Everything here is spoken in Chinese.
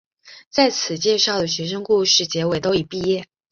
在此介绍的学生故事结尾都已毕业。